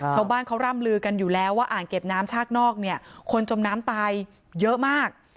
ชาวบ้านเขาร่ำลือกันอยู่แล้วว่าอ่างเก็บน้ำชากนอกเนี่ยคนจมน้ำตายเยอะมาก